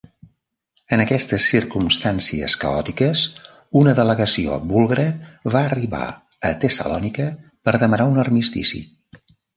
En aquestes circumstàncies caòtiques una delegació búlgara va arribar a Tessalònica per demanar un armistici.